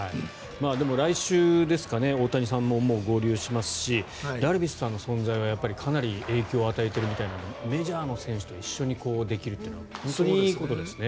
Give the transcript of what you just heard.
でも来週ですかね大谷さんも合流しますしダルビッシュさんの存在はかなり影響を与えているみたいなのでメジャーの選手と一緒にできるのは本当にいいことですね。